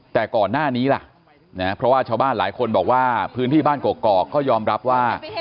แต่ก่อนหน้านี้ล่ะเพราะว่าชาวบ้านหลายคนบอกว่าพื้นที่บ้านกอกก็ยอมรับว่า